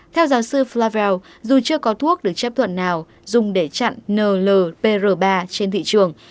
theo giáo sư flavel dù chưa có thuốc được chấp thuận nào dùng để chặn nlp r ba trên thị trường